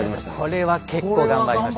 これは結構頑張りました。